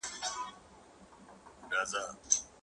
ماشوم د مور له تکرار عادتونه زده کوي.